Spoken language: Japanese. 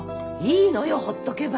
いいのよほっとけば。